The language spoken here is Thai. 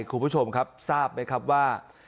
คุณผู้ชมครับทราบไหมครับว่า